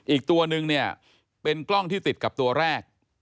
อีกตัวนึงเนี่ยเป็นกล้องที่ติดกับตัวแรก